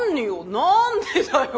何でだよ？